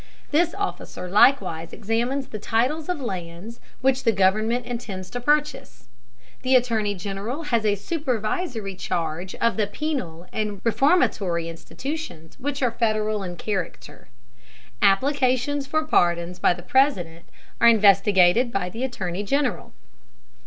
This officer likewise examines the titles of lands which the government intends to purchase. The Attorney General has a supervisory charge of the penal and reformatory institutions which are Federal in character. Applications for pardons by the President are investigated by the Attorney General.